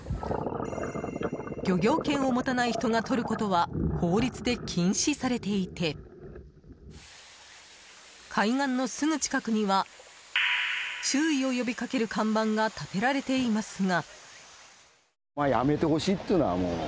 漁業権を持たない人がとることは法律で禁止されていて海岸のすぐ近くには注意を呼びかける看板が立てられていますが。